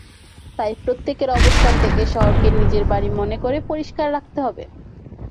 তাই প্রত্যেকের অবস্থান থেকে শহরকে নিজের বাড়ি মনে করে পরিষ্কার রাখতে হবে।